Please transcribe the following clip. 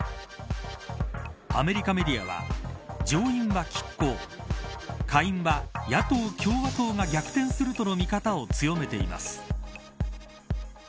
アメリカメディアは上院は拮抗下院は、野党・共和党が逆転するとの見方を強めています。